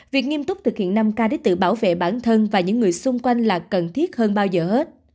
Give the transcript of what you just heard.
việc nghiêm túc thực hiện năm k để tự bảo vệ bản thân và những người xung quanh là cần thiết hơn bao giờ hết